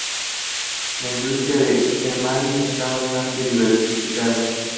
La industria de Hernani está bastante diversificada.